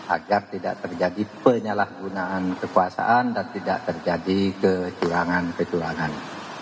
agar tidak terjadi penyalahgunaan kekuasaan dan tidak terjadi kecurangan kecurangan